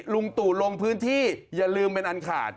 ลุงตู่ลงพื้นที่อย่าลืมเป็นอันขาด